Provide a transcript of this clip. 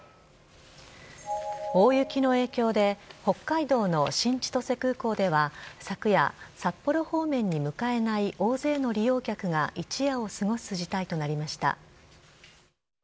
大雪の影響で北海道の新千歳空港では昨夜、札幌方面に向かえない大勢の利用客が一夜を過ごす事態となりました。